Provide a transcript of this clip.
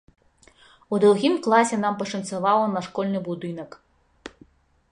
У другім класе нам пашанцавала на школьны будынак.